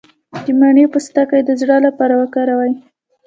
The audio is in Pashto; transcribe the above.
د مڼې پوستکی د زړه لپاره وکاروئ